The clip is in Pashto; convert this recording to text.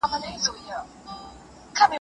نوي نسل ته د اقتصادي پلان جوړوني ارزښت ور زده کړئ.